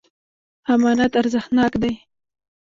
امانت ارزښتناک دی.